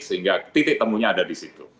sehingga titik temunya ada di situ